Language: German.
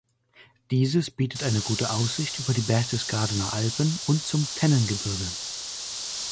Dieses bietet eine gute Aussicht über die Berchtesgadener Alpen und zum Tennengebirge.